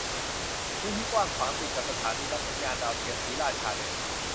พื้นที่กว้างขวางติดกับสถานีรับสัญญาณดาวเทียมศรีราชาเดิม